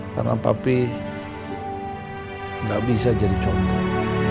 karena papi gak bisa jadi copet